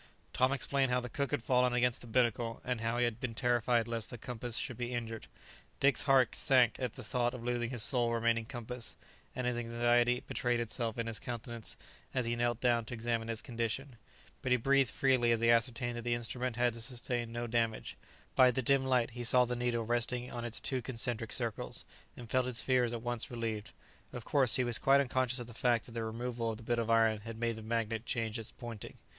Tom explained how the cook had fallen against the binnacle, and how he had been terrified lest the compass should be injured. Dick's heart sank at the thought of losing his sole remaining compass, and his anxiety betrayed itself in his countenance as he knelt down to examine its condition; but he breathed freely as he ascertained that the instrument had sustained no damage; by the dim light he saw the needle resting on its two concentric circles, and felt his fears at once relieved; of course, he was quite unconscious of the fact that the removal of the bit of iron had made the magnet change its pointing.